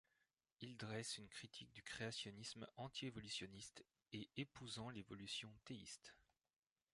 Il dresse une critique du créationnisme anti-évolutionniste et épousant l'évolution théiste.